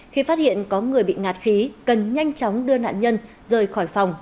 khi phát hiện có người bị ngạt khí cần nhanh chóng đưa nạn nhân rời khỏi phòng